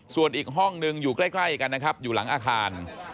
ส่วนอีกห้องหนึ่งอยู่ใกล้กันนะครับอยู่หลังอาคาร